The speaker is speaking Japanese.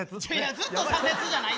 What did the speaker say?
ずっと左折じゃないよ！